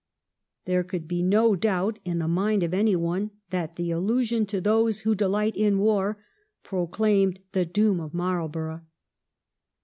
There could be no doubt in the mind of anyone that the allusion to those who delight in war proclaimed the doom of Marlborough.